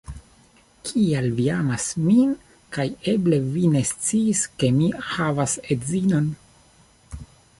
Kial vi amas min kaj eble vi ne sciis ke mi havas edzinon